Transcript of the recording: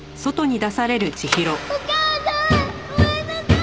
お母さんごめんなさい！